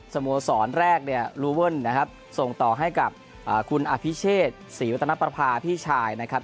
สโมสรแรกเนี่ยลูเวิลนะครับส่งต่อให้กับคุณอภิเชษศรีวัตนประพาพี่ชายนะครับ